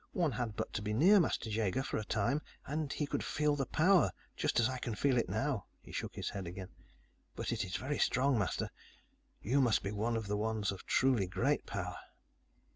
"One had but to be near Master Jaeger for a time, and he could feel the power, just as I can feel it now." He shook his head again. "But it is very strong, Master. You must be one of the ones of truly great power."